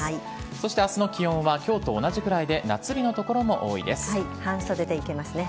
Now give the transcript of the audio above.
そして明日の気温は今日と同じくらいで半袖で行けますね。